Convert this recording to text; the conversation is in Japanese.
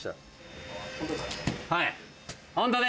はい！